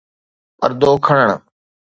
پردو کڻڻ